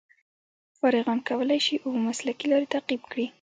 فارغان کولای شي اوه مسلکي لارې تعقیب کړي.